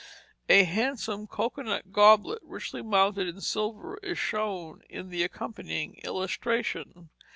A handsome cocoanut goblet, richly mounted in silver, is shown in the accompanying illustration.